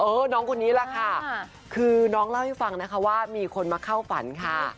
น้องคนนี้แหละค่ะคือน้องเล่าให้ฟังนะคะว่ามีคนมาเข้าฝันค่ะ